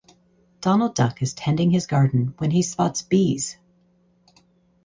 Donald Duck is tending his garden when he spot bees.